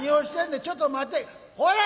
ちょっと待て。こら！